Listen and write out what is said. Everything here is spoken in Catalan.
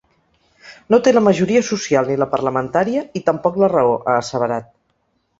No té la majoria social ni la parlamentària, i tampoc la raó, ha asseverat.